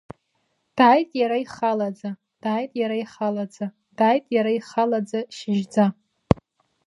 Дааит иара ихалаӡа, дааит иара ихалаӡа, дааит иара ихалаӡа, шьыжьӡа!